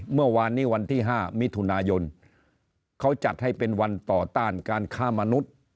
เมื่อวานนี้วันที่๕มิถุนายนเขาจัดให้เป็นวันต่อต้านการฆ่ามนุษย์